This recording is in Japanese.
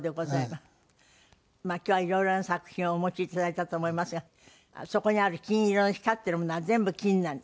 今日は色々な作品をお持ち頂いたと思いますがそこにある金色の光っているものは全部金なんで。